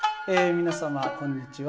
皆様こんにちは。